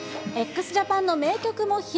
ＸＪＡＰＡＮの名曲も披露。